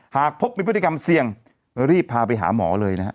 หากพบมีพฤติกรรมเสี่ยงรีบพาไปหาหมอเลยนะฮะ